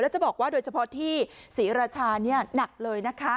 และจะบอกว่าโดยเฉพาะที่ศรีราชาหนักเลย